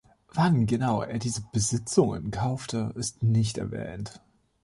Wann genau er diese Besitzungen kaufte ist nicht erwähnt.